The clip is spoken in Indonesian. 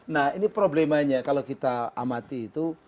nah ini problemanya kalau kita amati itu